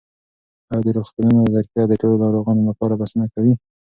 آیا د روغتونونو ظرفیت د ټولو ناروغانو لپاره بسنه کوي؟